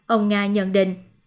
ông nga nhận định